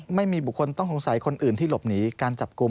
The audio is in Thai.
ไม่มีบุคคลต้องสงสัยคนอื่นที่หลบหนีการจับกลุ่ม